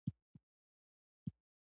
سا نيولي هلک له لاندې نه وويل.